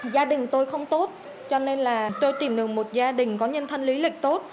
gia đình tôi không tốt cho nên là tôi tìm được một gia đình có nhân thân lý lịch tốt